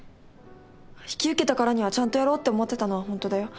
引き受けたからにはちゃんとやろうって思ってたのはホントだよ。